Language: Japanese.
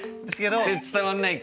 それ伝わんないか。